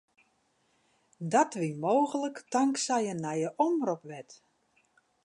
Dat wie mooglik tanksij in nije omropwet.